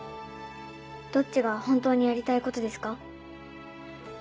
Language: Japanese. どっちが本当にやりたいことですか？